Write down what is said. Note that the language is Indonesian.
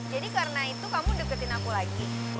jadi karena itu kamu deketin aku lagi